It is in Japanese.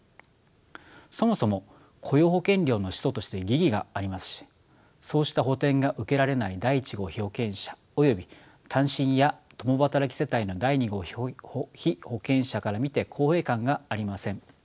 そもそも雇用保険料の使途として疑義がありますしそうした補填が受けられない第１号被保険者および単身や共働き世帯の第２号被保険者から見て公平感がありません。